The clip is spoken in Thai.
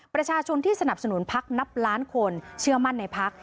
ประชาชนที่สนับสนุนพักนับล้านคนเชื่อมั่นในพัก